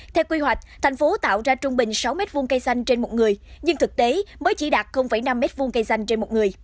theo quy hoạch thành phố tạo ra trung bình sáu m hai cây xanh trên một người nhưng thực tế mới chỉ đạt năm m hai cây xanh trên một người